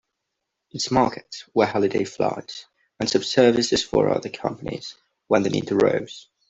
Its markets were holiday flights and subservices for other companies, when the need arose.